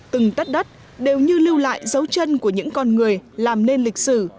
từng tất đất đều như lưu lại dấu chân của những con người làm nên lịch sử